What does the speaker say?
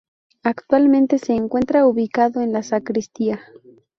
Actualmente se encuentra ubicado en la sacristía.